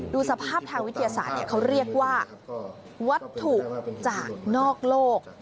ดูสภาพทางวิทยาศาสตร์เขาเรียกว่าวัตถุจากนอกโลก